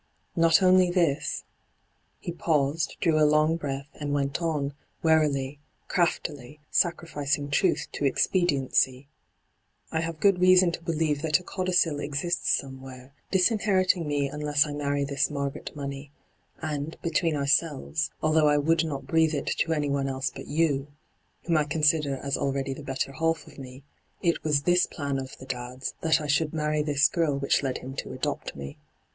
hyGoogIc n2 ENTRAPPED Not only this '— he paused, drew a long breath, and went on, warily, craftily, sacrificing troth to expediency —' I have good reason to believe that a codicil exists somewhere, dis inheriting me unless I marry this Margaret Money ; and, between ourselves, although I would not breathe it to anyone else but you, whom I consider as already the better half of me, it was this plan of the dad's that I should marry this girl which led him to adopt me.